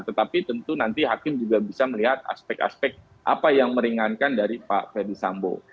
tetapi tentu nanti hakim juga bisa melihat aspek aspek apa yang meringankan dari pak ferdisambo